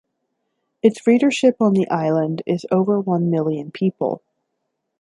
Its readership on the island is over one million people.